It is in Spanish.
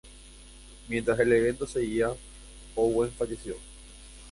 Mientras el evento seguía, Owen falleció.